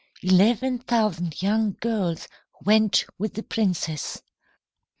"Eleven thousand young girls went with the princess.